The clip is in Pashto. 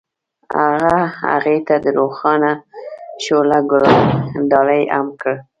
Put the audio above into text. هغه هغې ته د روښانه شعله ګلان ډالۍ هم کړل.